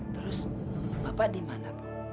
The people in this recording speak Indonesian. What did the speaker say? terus bapak dimana bu